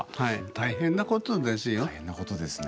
大変なことですね。